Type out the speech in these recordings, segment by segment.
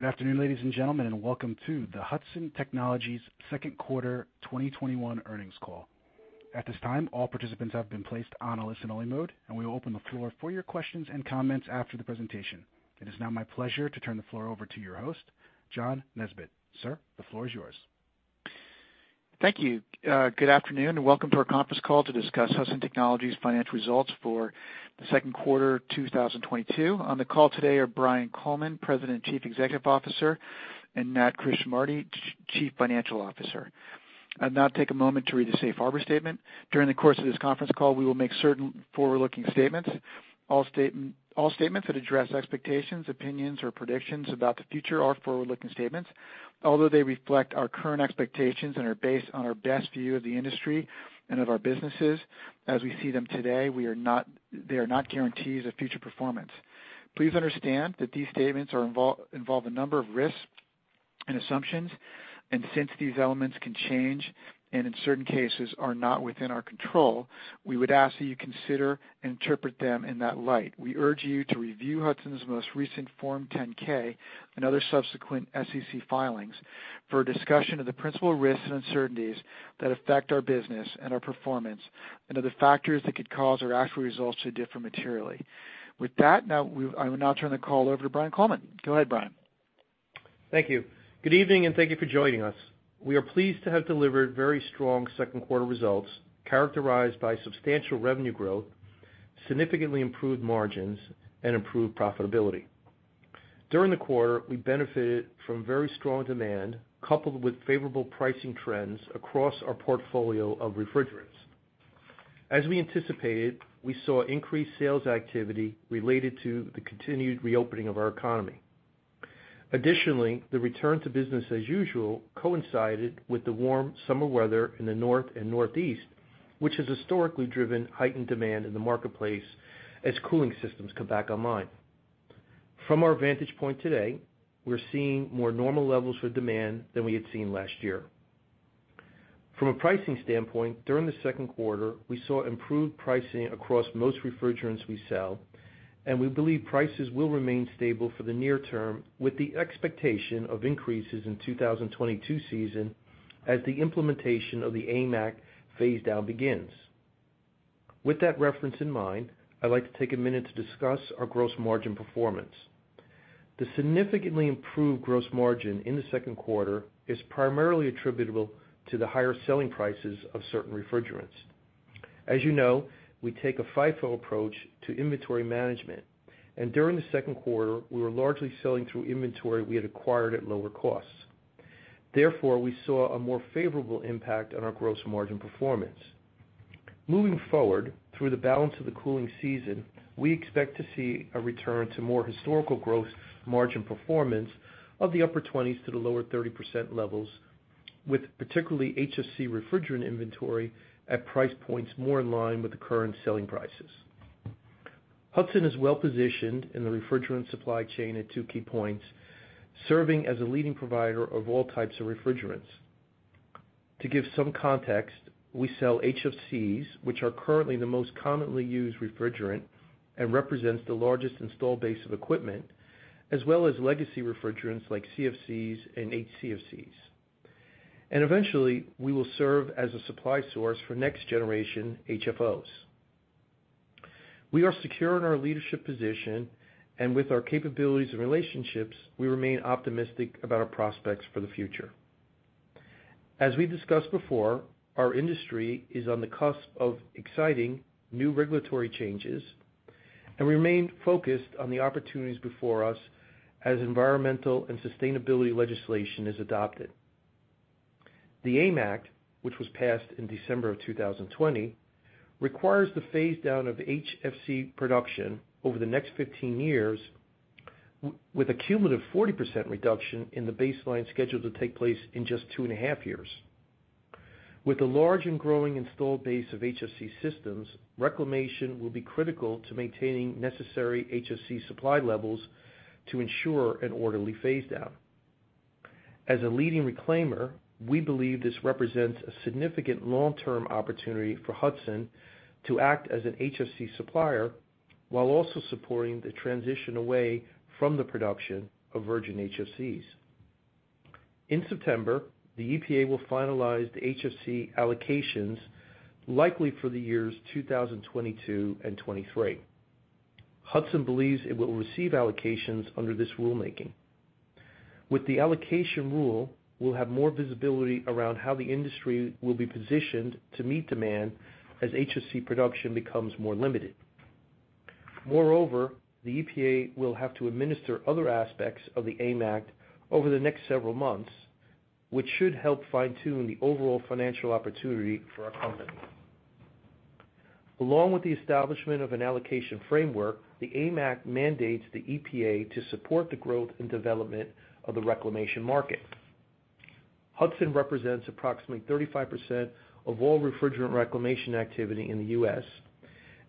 Good afternoon, ladies and gentlemen, and welcome to the Hudson Technologies second quarter 2021 earnings call. At this time, all participants have been placed on a listen-only mode, and we will open the floor for your questions and comments after the presentation. It is now my pleasure to turn the floor over to your host, John Nesbett. Sir, the floor is yours. Thank you. Good afternoon, and welcome to our conference call to discuss Hudson Technologies financial results for the second quarter 2022. On the call today are Brian Coleman, President, Chief Executive Officer, and Nat Krishnamurti, Chief Financial Officer. I'll now take a moment to read the safe harbor statement. During the course of this conference call, we will make certain forward-looking statements. All statements that address expectations, opinions, or predictions about the future are forward-looking statements. Although they reflect our current expectations and are based on our best view of the industry and of our businesses as we see them today, they are not guarantees of future performance. Please understand that these statements involve a number of risks and assumptions, and since these elements can change, and in certain cases, are not within our control, we would ask that you consider and interpret them in that light. We urge you to review Hudson's most recent Form 10-K and other subsequent SEC filings for a discussion of the principal risks and uncertainties that affect our business and our performance, and other factors that could cause our actual results to differ materially. With that, now I will now turn the call over to Brian Coleman. Go ahead, Brian. Thank you. Good evening, and thank you for joining us. We are pleased to have delivered very strong second quarter results characterized by substantial revenue growth, significantly improved margins, and improved profitability. During the quarter, we benefited from very strong demand, coupled with favorable pricing trends across our portfolio of refrigerants. As we anticipated, we saw increased sales activity related to the continued reopening of our economy. Additionally, the return to business as usual coincided with the warm summer weather in the north and northeast, which has historically driven heightened demand in the marketplace as cooling systems come back online. From our vantage point today, we're seeing more normal levels for demand than we had seen last year. From a pricing standpoint, during the second quarter, we saw improved pricing across most refrigerants we sell, and we believe prices will remain stable for the near term, with the expectation of increases in 2022 season as the implementation of the AIM Act phase-down begins. With that reference in mind, I'd like to take a minute to discuss our gross margin performance. The significantly improved gross margin in the second quarter is primarily attributable to the higher selling prices of certain refrigerants. As you know, we take a FIFO approach to inventory management, and during the second quarter, we were largely selling through inventory we had acquired at lower costs. Therefore, we saw a more favorable impact on our gross margin performance. Moving forward, through the balance of the cooling season, we expect to see a return to more historical gross margin performance of the upper 20s to the lower 30% levels, with particularly HFC refrigerant inventory at price points more in line with the current selling prices. Hudson is well-positioned in the refrigerant supply chain at two key points, serving as a leading provider of all types of refrigerants. To give some context, we sell HFCs, which are currently the most commonly used refrigerant and represents the largest install base of equipment, as well as legacy refrigerants like CFCs and HCFCs. Eventually, we will serve as a supply source for next generation HFOs. We are secure in our leadership position and with our capabilities and relationships, we remain optimistic about our prospects for the future. As we discussed before, our industry is on the cusp of exciting new regulatory changes, and remain focused on the opportunities before us as environmental and sustainability legislation is adopted. The AIM Act, which was passed in December of 2020, requires the phase down of HFC production over the next 15 years, with a cumulative 40% reduction in the baseline scheduled to take place in just two and a half years. With the large and growing installed base of HFC systems, reclamation will be critical to maintaining necessary HFC supply levels to ensure an orderly phase down. As a leading reclaimer, we believe this represents a significant long-term opportunity for Hudson to act as an HFC supplier while also supporting the transition away from the production of virgin HFCs. In September, the EPA will finalize the HFC allocations, likely for the years 2022 and 2023. Hudson believes it will receive allocations under this rulemaking. With the allocation rule, we'll have more visibility around how the industry will be positioned to meet demand as HFC production becomes more limited. Moreover, the EPA will have to administer other aspects of the AIM Act over the next several months, which should help fine-tune the overall financial opportunity for our company. Along with the establishment of an allocation framework, the AIM Act mandates the EPA to support the growth and development of the reclamation market. Hudson represents approximately 35% of all refrigerant reclamation activity in the U.S.,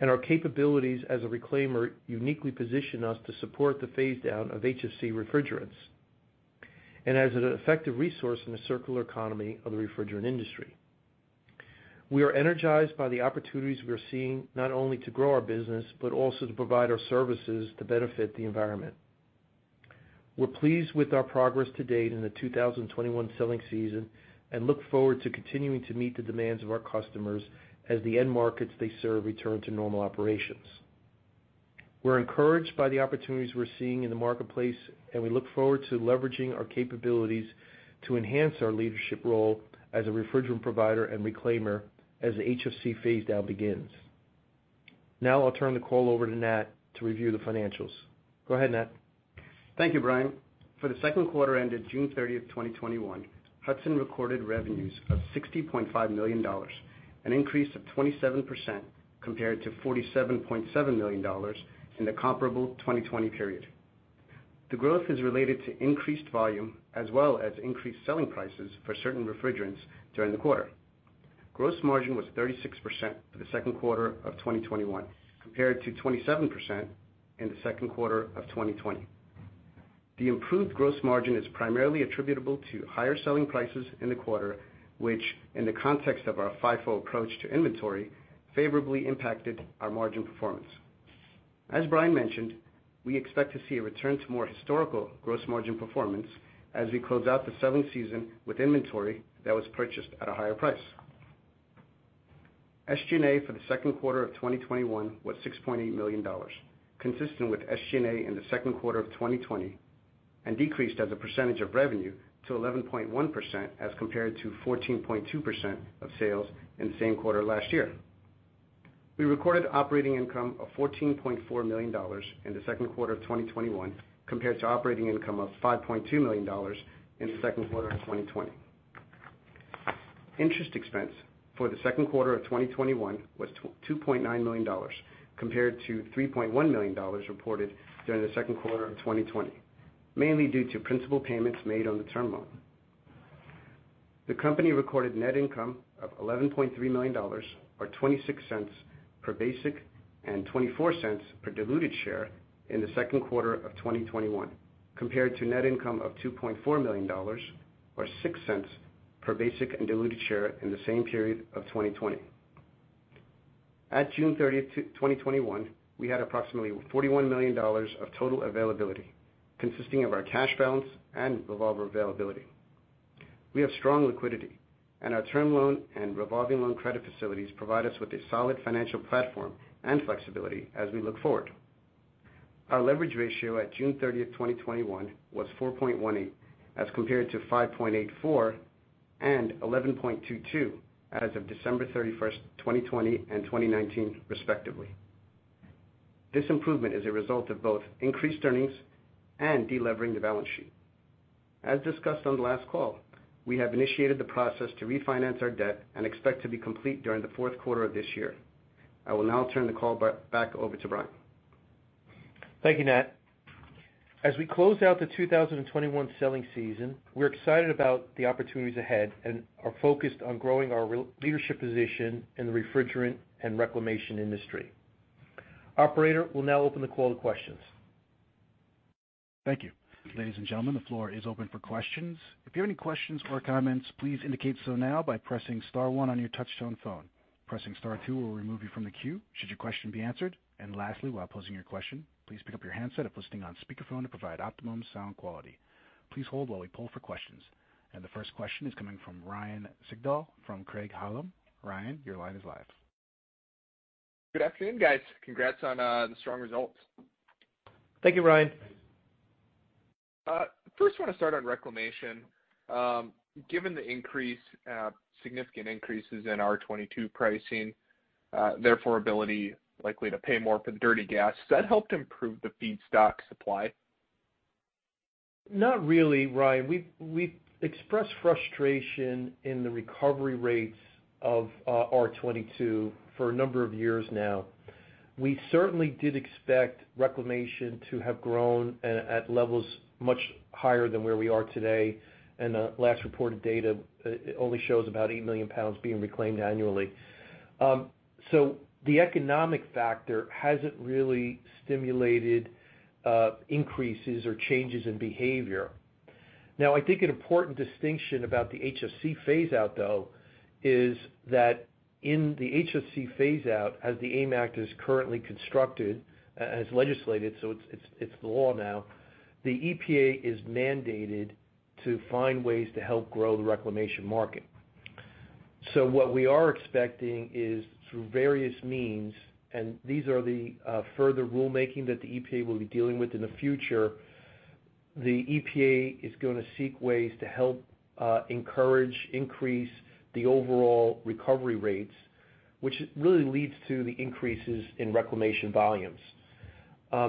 and our capabilities as a reclaimer uniquely position us to support the phase down of HFC refrigerants and as an effective resource in the circular economy of the refrigerant industry. We are energized by the opportunities we are seeing, not only to grow our business, but also to provide our services to benefit the environment. We're pleased with our progress to date in the 2021 selling season and look forward to continuing to meet the demands of our customers as the end markets they serve return to normal operations. We're encouraged by the opportunities we're seeing in the marketplace, and we look forward to leveraging our capabilities to enhance our leadership role as a refrigerant provider and reclaimer as the HFC phase-down begins. I'll turn the call over to Nat to review the financials. Go ahead, Nat. Thank you, Brian. For the second quarter ended June 30th, 2021, Hudson recorded revenues of $60.5 million, an increase of 27% compared to $47.7 million in the comparable 2020 period. The growth is related to increased volume as well as increased selling prices for certain refrigerants during the quarter. Gross margin was 36% for the second quarter of 2021 compared to 27% in the second quarter of 2020. The improved gross margin is primarily attributable to higher selling prices in the quarter, which, in the context of our FIFO approach to inventory, favorably impacted our margin performance. As Brian mentioned, we expect to see a return to more historical gross margin performance as we close out the selling season with inventory that was purchased at a higher price. SG&A for the second quarter of 2021 was $6.8 million, consistent with SG&A in the second quarter of 2020 and decreased as a percentage of revenue to 11.1% as compared to 14.2% of sales in the same quarter last year. We recorded operating income of $14.4 million in the second quarter of 2021 compared to operating income of $5.2 million in the second quarter of 2020. Interest expense for the second quarter of 2021 was $2.9 million compared to $3.1 million reported during the second quarter of 2020, mainly due to principal payments made on the term loan. The company recorded net income of $11.3 million or $0.26 per basic and $0.24 per diluted share in the second quarter of 2021 compared to net income of $2.4 million or $0.06 per basic and diluted share in the same period of 2020. At June 30th, 2021, we had approximately $41 million of total availability consisting of our cash balance and revolver availability. We have strong liquidity and our term loan and revolving loan credit facilities provide us with a solid financial platform and flexibility as we look forward. Our leverage ratio at June 30th, 2021 was 4.18 as compared to 5.84 and 11.22 as of December 31st, 2020 and 2019 respectively. This improvement is a result of both increased earnings and de-levering the balance sheet. As discussed on the last call, we have initiated the process to refinance our debt and expect to be complete during the fourth quarter of this year. I will now turn the call back over to Brian. Thank you, Nat. As we close out the 2021 selling season, we're excited about the opportunities ahead and are focused on growing our leadership position in the refrigerant and reclamation industry. Operator, we'll now open the call to questions. Thank you. Ladies and gentlemen, the floor is open for questions. If you have any questions or comments, please indicate so now by pressing star one on your touchtone phone. Pressing star two will remove you from the queue should your question be answered. Lastly, while posing your question, please pick up your handset if listening on speakerphone to provide optimum sound quality. Please hold while we poll for questions. The first question is coming from Ryan Sigdahl from Craig-Hallum. Ryan, your line is live. Good afternoon, guys. Congrats on the strong results. Thank you, Ryan. First, I want to start on reclamation. Given the significant increases in R-22 pricing, therefore the ability likely to pay more for the dirty gas, does that help to improve the feedstock supply? Not really, Ryan. We've expressed frustration in the recovery rates of R-22 for a number of years now. We certainly did expect reclamation to have grown at levels much higher than where we are today, the last reported data only shows about 8 million pounds being reclaimed annually. The economic factor hasn't really stimulated increases or changes in behavior. I think an important distinction about the HFC phase out, though, is that in the HFC phase out as the AIM Act is currently constructed, as legislated, it's the law now. The EPA is mandated to find ways to help grow the reclamation market. What we are expecting is through various means, these are the further rulemaking that the EPA will be dealing with in the future. The EPA is going to seek ways to help encourage increase the overall recovery rates, which really leads to the increases in reclamation volumes.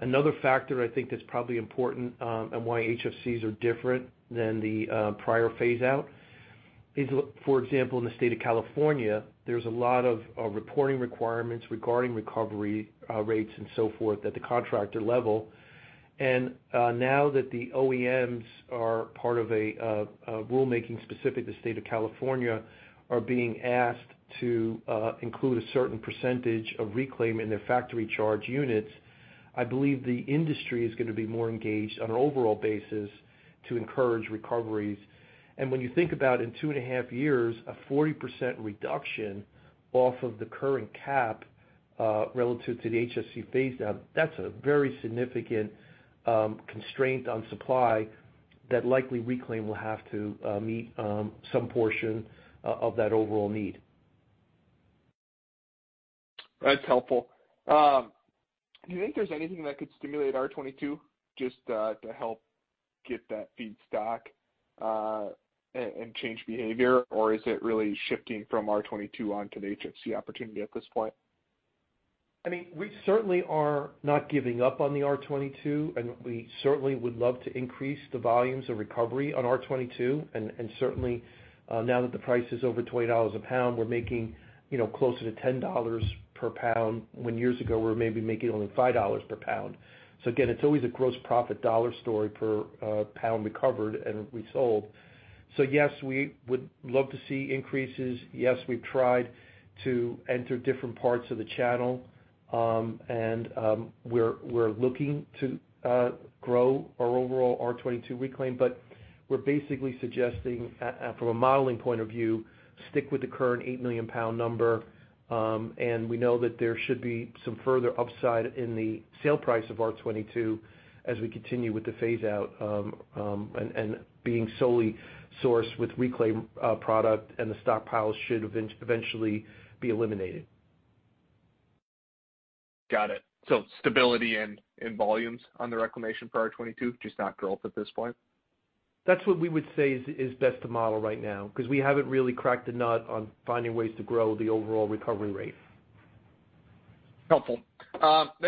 Another factor I think that's probably important, and why HFCs are different than the prior phase out is, for example, in the state of California, there's a lot of reporting requirements regarding recovery rates and so forth at the contractor level. Now that the OEMs are part of a rulemaking specific to the state of California are being asked to include a certain percentage of reclaim in their factory charge units. I believe the industry is going to be more engaged on an overall basis to encourage recoveries. When you think about in 2.5 years, a 40% reduction off of the current cap relative to the HFC phase-out, that's a very significant constraint on supply that likely reclaim will have to meet some portion of that overall need. That's helpful. Do you think there's anything that could stimulate R-22 just to help get that feedstock and change behavior? Is it really shifting from R-22 on to the HFC opportunity at this point? We certainly are not giving up on the R-22, and we certainly would love to increase the volumes of recovery on R-22. Certainly, now that the price is over $20 a pound, we're making closer to $10 per pound, when years ago we were maybe making only $5 per pound. Again, it's always a gross profit dollar story per pound recovered and resold. Yes, we would love to see increases. Yes, we've tried to enter different parts of the channel. We're looking to grow our overall R-22 reclaim, but we're basically suggesting, from a modeling point of view, stick with the current 8 million pound number. We know that there should be some further upside in the sale price of R-22 as we continue with the phase-out and being solely sourced with reclaimed product, and the stockpile should eventually be eliminated. Got it. Stability in volumes on the reclamation for R-22, just not growth at this point? That's what we would say is best to model right now, because we haven't really cracked a nut on finding ways to grow the overall recovery rate. Helpful.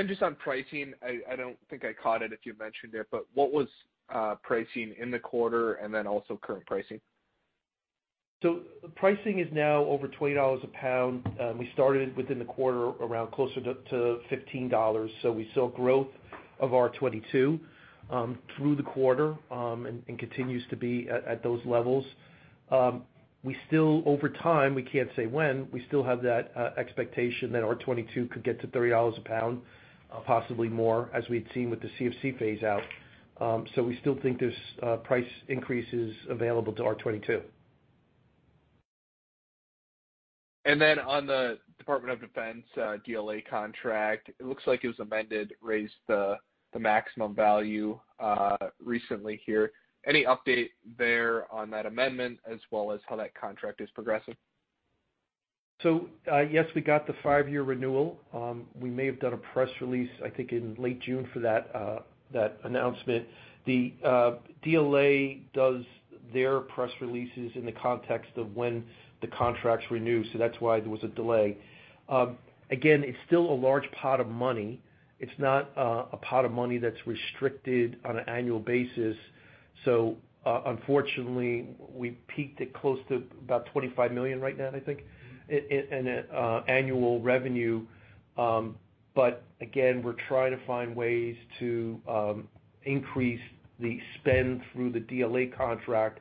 Just on pricing, I don't think I caught it if you mentioned it, but what was pricing in the quarter, and then also current pricing? Pricing is now over $20 a pound. We started within the quarter around closer to $15. We saw growth of R-22 through the quarter, and continues to be at those levels. We still, over time, we can't say when, we still have that expectation that R-22 could get to $30 a pound, possibly more, as we'd seen with the CFC phase-out. We still think there's price increases available to R-22. On the Department of Defense DLA contract, it looks like it was amended, raised the maximum value recently here. Any update there on that amendment as well as how that contract is progressing? Yes, we got the five-year renewal. We may have done a press release, I think in late June for that announcement. The DLA does their press releases in the context of when the contract's renewed, that's why there was a delay. It's still a large pot of money. It's not a pot of money that's restricted on an annual basis. Unfortunately, we peaked at close to about $25 million right now, I think, in annual revenue. We're trying to find ways to increase the spend through the DLA contract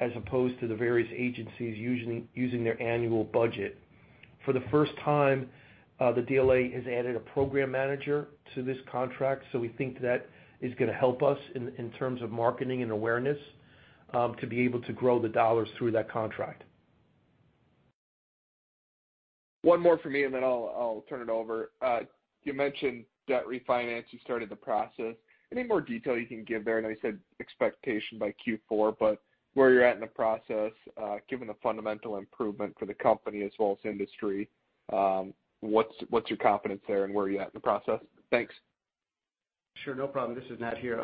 as opposed to the various agencies using their annual budget. For the first time, the DLA has added a program manager to this contract, we think that is going to help us in terms of marketing and awareness to be able to grow the dollars through that contract. One more from me, and then I'll turn it over. You mentioned debt refinance, you started the process. Any more detail you can give there? I know you said expectation by Q4, but where you're at in the process, given the fundamental improvement for the company as well as industry. What's your confidence there and where are you at in the process? Thanks. Sure. No problem. This is Nat here.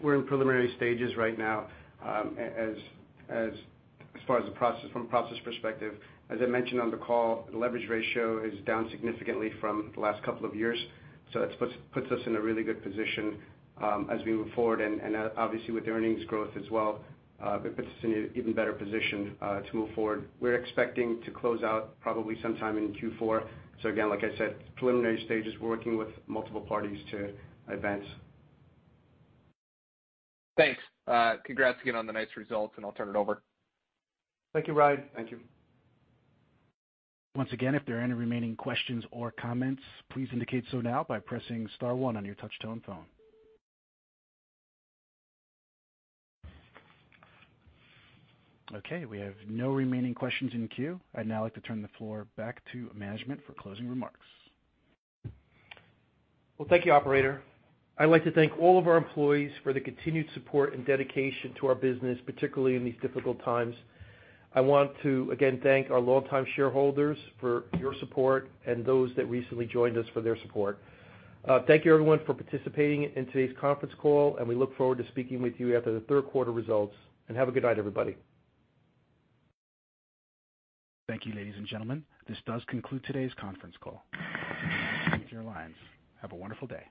We're in preliminary stages right now. As far as from a process perspective, as I mentioned on the call, the leverage ratio is down significantly from the last couple of years. That puts us in a really good position as we move forward. Obviously with the earnings growth as well, that puts us in an even better position to move forward. We're expecting to close out probably sometime in Q4. Again, like I said, preliminary stages. We're working with multiple parties to advance. Thanks. Congrats again on the nice results. I'll turn it over. Thank you, Ryan. Thank you. Once again, if there are any remaining questions or comments, please indicate so now by pressing star one on your touch-tone phone. Okay, we have no remaining questions in the queue. I'd now like to turn the floor back to management for closing remarks. Well, thank you, operator. I'd like to thank all of our employees for the continued support and dedication to our business, particularly in these difficult times. I want to again thank our longtime shareholders for your support, and those that recently joined us for their support. Thank you everyone for participating in today's conference call, and we look forward to speaking with you after the third quarter results. Have a good night, everybody. Thank you, ladies and gentlemen. This does conclude today's conference call. You may disconnect your lines. Have a wonderful day.